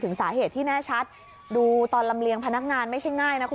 สาเหตุที่แน่ชัดดูตอนลำเลียงพนักงานไม่ใช่ง่ายนะคุณ